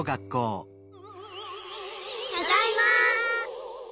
ただいま！